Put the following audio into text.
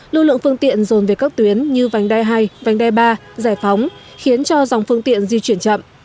lưu lượng phương tiện dồn về các tuyến như vành đai hai vành đai ba giải phóng khiến cho dòng phương tiện di chuyển chậm